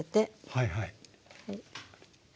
はいはい。